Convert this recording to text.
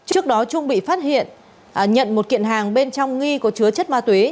trước đó trung bị phát hiện nhận một kiện hàng bên trong nghi có chứa chất ma túy